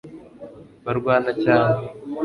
barwana cyane